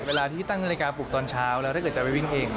เวลาที่ตั้งนาฬิกาปลุกตอนเช้าแล้วถ้าเกิดจะไปวิ่งเอง